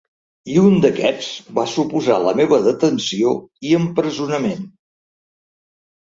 I un d’aquests va suposar la meva detenció i empresonament.